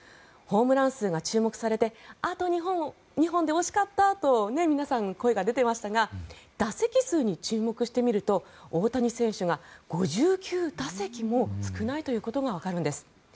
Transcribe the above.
ホームラン数が注目されてあと２本で惜しかったと皆さん、声が出ていましたが打席数に注目してみると大谷選手が５９打席も少ないということがわかるんです。